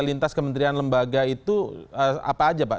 lintas kementerian lembaga itu apa aja pak